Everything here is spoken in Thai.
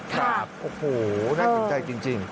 ครับโอ้โหน่าสนใจจริง